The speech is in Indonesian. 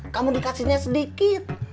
kamu dikasihnya sedikit